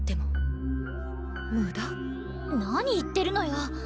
何言ってるのよ？